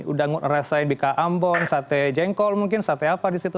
udah ngerasain bika ambon sate jengkol mungkin sate apa di situ